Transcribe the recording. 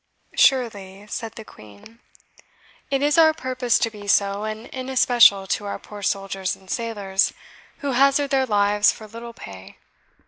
"Surely," said the Queen, "it is our purpose to be so, and in especial to our poor soldiers and sailors, who hazard their lives for little pay.